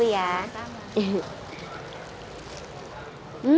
terima kasih bu